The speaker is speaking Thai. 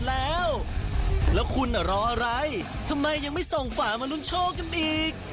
แล้วแล้วคุณรออะไรทำไมยังไม่ส่งฝามาลุ้นโชคกันอีก